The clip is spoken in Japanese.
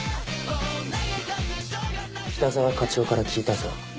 北沢課長から聞いたぞ。